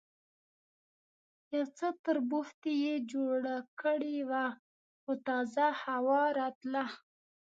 یو څه تربوختي یې جوړه کړې وه، خو تازه هوا راتلله.